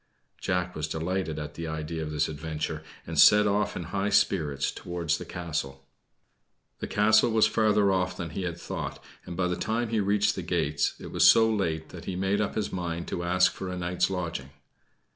Jack was delighted at the idea of this adventure, and set off in high spirits towards the castle. The castle was farther off than he had thought, and by the time he reached the gates, it was so late that he made up his mind to ask for a night's lodging.